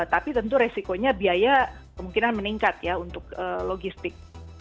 tapi tentu resikonya biaya kemungkinan meningkat ya untuk logistik